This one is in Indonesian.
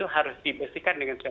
harus dibesarkan dengan